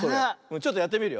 ちょっとやってみるよ。